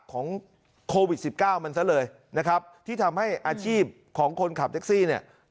ของโควิดสิบเก้ามันซะเลยนะครับที่ทำให้อาชีพของคนขับแท็กซี่เนี่ย